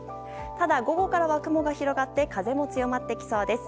ただ、午後からは雲が広がって風も強まってきそうです。